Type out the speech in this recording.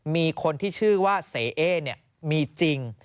มีคนที่ชื่อว่าเสเอ๊มีจริง